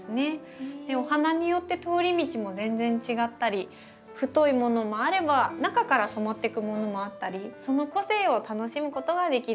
お花によって通り道も全然違ったり太いものもあれば中から染まってくものもあったりその個性を楽しむことができるんです。